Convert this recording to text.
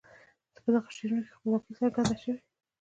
په دغو شعرونو کې خپلواکي څرګند شوي.